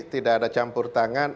tidak ada campur tangan